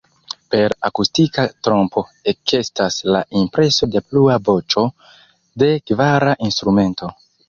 Per akustika trompo ekestas la impreso de plua voĉo, de kvara instrumento.